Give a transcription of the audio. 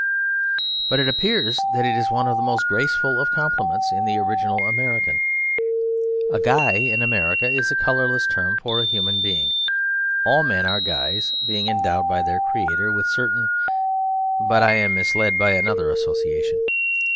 But it appears that it is one of the most graceful of compliments, in the original American. A guy in America is a colourless term for a human being. All men are guys, being endowed by their Creator with certain ... but I am misled by another association.